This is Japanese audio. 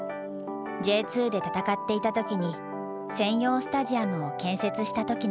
Ｊ２で戦っていた時に専用スタジアムを建設した時のこと。